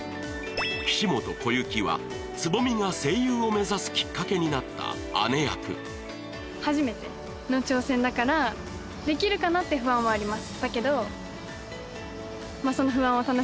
岸本小雪は蕾未が声優を目指すきっかけになった姉役初めての挑戦だからだけどなって思ってます